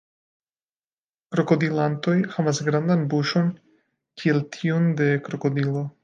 Krokodilantoj havas grandan buŝon kiel tiun de krokodilo.